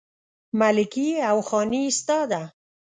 ملکي او خاني ستا ده